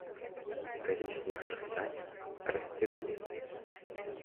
Калі снег растане, расце далей.